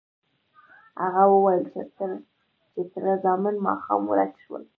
هغه وویل چې تره زامن ماښام ورک شول.